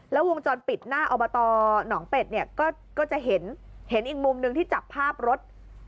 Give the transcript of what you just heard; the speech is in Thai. แล้ววงจรปิดหน้าอบตหนองเป็ดเนี่ยก็จะเห็นอีกมุมหนึ่งที่จับภาพรถ